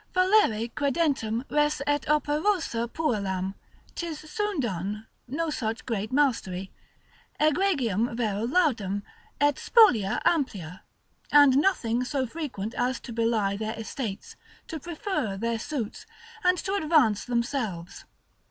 Fallere credentem res est operosa puellam, 'tis soon done, no such great mastery, Egregiam vero laudem, et spolia ampla,—and nothing so frequent as to belie their estates, to prefer their suits, and to advance themselves.